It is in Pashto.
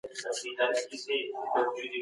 خپل استعدادونه مه ضایع کوئ.